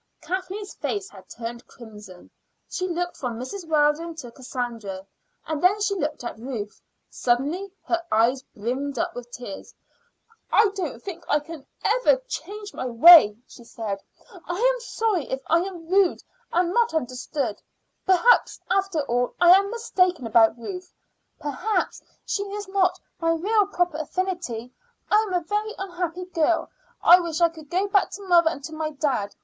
Kathleen's face had turned crimson. She looked from Mrs. Weldon to Cassandra, and then she looked at Ruth. Suddenly her eyes brimmed up with tears. "I don't think I can ever change my way," she said. "I am sorry if I am rude and not understood. Perhaps, after all, I am mistaken, about Ruth; perhaps she is not my real proper affinity. I am a very unhappy girl. I wish I could go back to mother and to my dad.